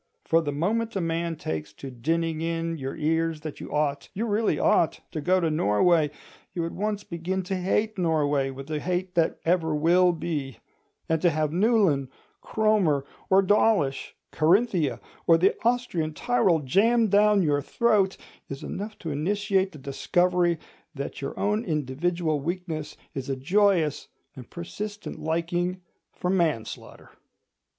For the moment a man takes to dinning in your ears that you ought, you really ought, to go to Norway, you at once begin to hate Norway with a hate that ever will be; and to have Newlyn, Cromer, or Dawlish, Carinthia or the Austrian Tyrol jammed down your throat, is enough to initiate the discovery that your own individual weakness is a joyous and persistent liking for manslaughter.